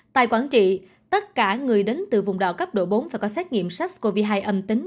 tại quảng trị tất cả người đến từ vùng đỏ cấp độ bốn phải có xét nghiệm sars cov hai âm tính